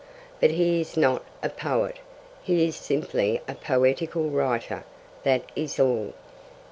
But he is not a poet. He is simply a poetical writer that is all.